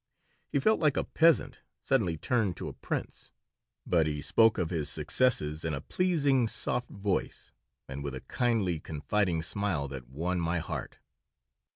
He felt like a peasant suddenly turned to a prince. But he spoke of his successes in a pleasing, soft voice and with a kindly, confiding smile that won my heart.